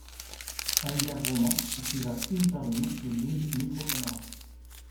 Albert Roman activa une par une les douze micro-caméras